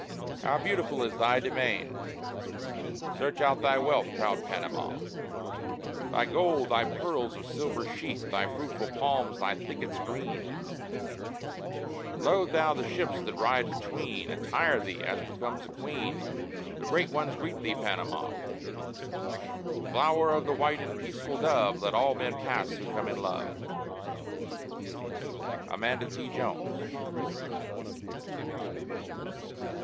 IV How beautiful is thy demesne! Search out thy wealth, proud Panama: Thy gold, thy pearls of silver sheen, Thy fruitful palms, thy thickets green; Load thou the ships that ride between; Attire thee as becomes a queen: The great ones greet thee, Panama! (Flower of the white and peaceful dove, Let all men pass who come in love.) AMANDA T. JONES.